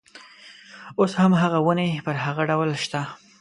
اوس هم هغه ونې پر هغه ډول شته.